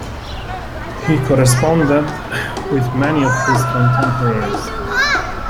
He corresponded with many of his contemporaries.